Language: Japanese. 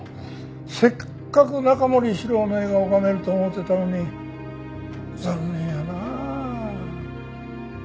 せっかく中森司郎の絵が拝めると思うてたのに残念やなあ。